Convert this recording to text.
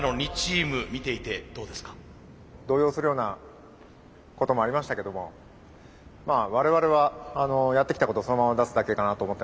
動揺するようなこともありましたけどもまあ我々はやってきたことをそのまま出すだけかなと思ってます。